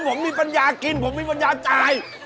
ผมมีปัญญากินผมมีปัญญาจ่าย